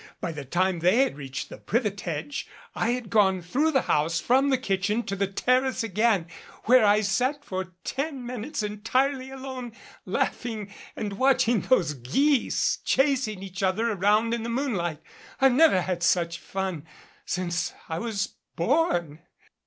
By the time they had reached the privet hedge, I had gone through the house from the kitchen to the terrace again, where I sat for ten minutes entirely alone laughing and watching those geese chasing each other around in the moonlight. I've never had such fun since I was born."